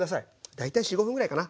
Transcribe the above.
大体４５分ぐらいかな。